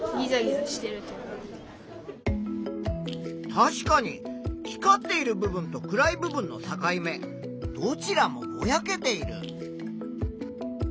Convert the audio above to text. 確かに光っている部分と暗い部分の境目どちらもぼやけている。